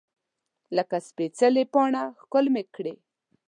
لکه سپیڅلې پاڼه ښکل مې کړې